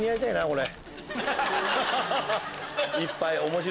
これ。